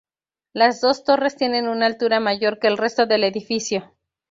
Las dos torres tienen una altura mayor que el resto del edificio.